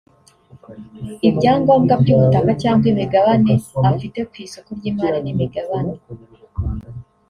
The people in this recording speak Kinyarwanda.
ibyangombwa by’ubutaka cyangwa imigabane afite ku isoko ry’imari n’imigabane